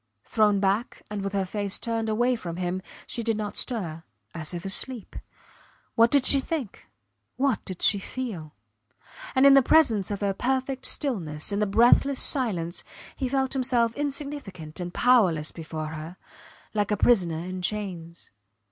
Thrown back and with her face turned away from him, she did not stir as if asleep. What did she think? What did she feel? And in the presence of her perfect stillness, in the breathless silence, he felt himself insignificant and powerless before her, like a prisoner in chains.